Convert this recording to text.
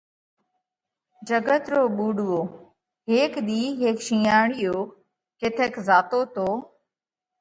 جڳت رو ٻُوڏوو: هيڪ ۮِي هيڪ شِينئاۯِيو ڪٿئيڪ زاتو تو۔